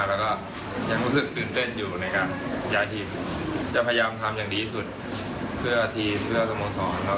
ครั้งหนึ่งจะมีโอกาสได้เล่นเจนอื่น